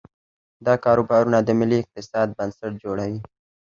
دا کاروبارونه د ملي اقتصاد بنسټ جوړوي.